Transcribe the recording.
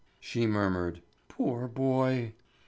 She murmured: "Poor boy!"